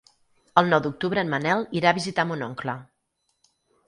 El nou d'octubre en Manel irà a visitar mon oncle.